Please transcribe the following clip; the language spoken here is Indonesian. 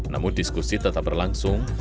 namun diskusi tetap berlangsung